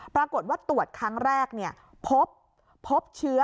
ปรากฏว่าตรวจครั้งแรกพบเชื้อ